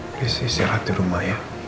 please istirahat di rumah ya